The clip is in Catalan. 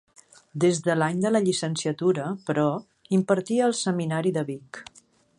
Des de l’any de la llicenciatura, però, impartia al Seminari de Vic.